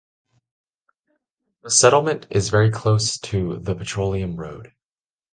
The settlement is very close to the Petroleum Road.